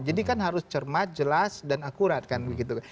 jadi kan harus cermat jelas dan akurat kan begitu